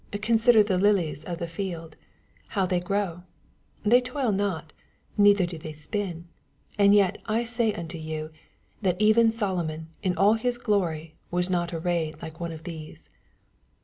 Consider the lilies of the field, how they grow; they toil not, neitner do they spin : 29 And yet I say unto you, That even Solomon in all his glory was not arrayed like one of these.